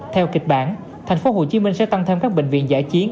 theo kịch bản tp hcm sẽ tăng thêm các bệnh viện giã chiến